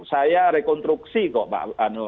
saya rekonstruksi kok pak